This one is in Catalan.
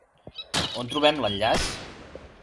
On trobem l'enllaç?